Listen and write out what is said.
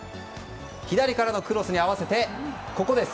左からのクロスに合わせてここです。